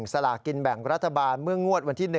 สลากินแบ่งรัฐบาลเมื่องวดวันที่๑